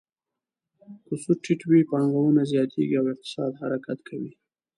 که سود ټیټ وي، پانګونه زیاتیږي او اقتصاد حرکت کوي.